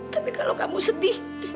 tapi kalau kamu sedih